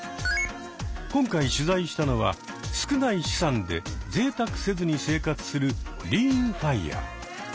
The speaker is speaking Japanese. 今回取材したのは少ない資産でぜいたくせずに生活する「リーンＦＩＲＥ」。